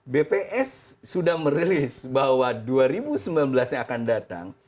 bps sudah merilis bahwa dua ribu sembilan belas yang akan datang